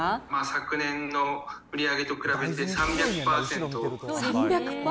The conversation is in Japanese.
昨年の売り上げと比べて、３００％。